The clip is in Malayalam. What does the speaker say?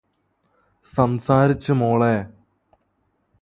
സംസാരിച്ചു മോളെ